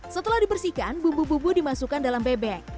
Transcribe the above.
setelah dibersihkan bumbu bumbu dimasukkan dalam bebek